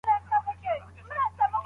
د کلي لار ډېره اوږده ده.